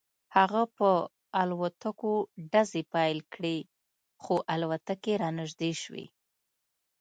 هغه په الوتکو ډزې پیل کړې خو الوتکې رانږدې شوې